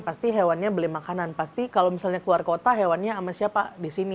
pasti hewannya beli makanan pasti kalau misalnya keluar kota hewannya sama siapa di sini